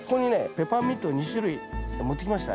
ペパーミント２種類持ってきました。